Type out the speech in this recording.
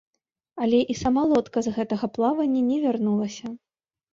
Але і сама лодка з гэтага плавання не вярнулася.